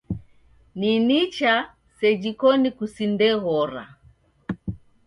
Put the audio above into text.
Ni nicha seji koni kusindeghora.